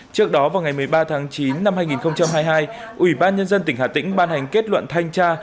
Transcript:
trước đó vào ngày một mươi ba tháng chín năm hai nghìn hai mươi hai ủy ban nhân dân tỉnh hà tĩnh ban hành kết luận thanh tra